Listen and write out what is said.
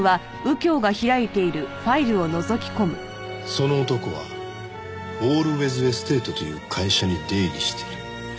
「その男はオールウェイズ・エステートという会社に出入りしている」